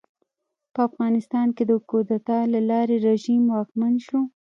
په افغانستان کې د کودتا له لارې رژیم واکمن شو.